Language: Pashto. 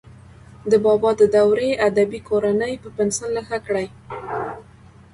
د بابا د دورې ادبي کورنۍ په پنسل نښه کړئ.